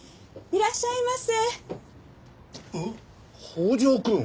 北条くん！？